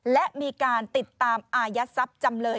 และมีการติดตามอายัดทรัพย์จำเลย